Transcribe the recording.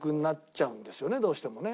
どうしてもね。